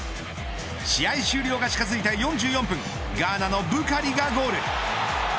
試合終了が近づいた４４分ガーナのブカリがゴール。